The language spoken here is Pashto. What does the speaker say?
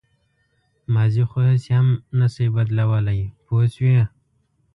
ماضي خو هسې هم نه شئ بدلولی پوه شوې!.